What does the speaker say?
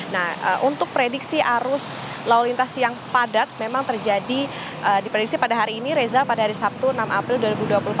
nah untuk prediksi arus lalu lintas yang padat memang terjadi diprediksi pada hari ini reza pada hari sabtu enam april dua ribu dua puluh tiga